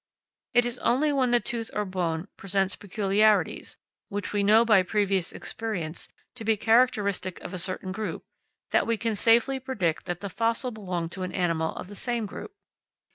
It is only when the tooth or bone presents peculiarities, which we know by previous experience to be characteristic of a certain group, that we can safely predict that the fossil belonged to an animal of the same group.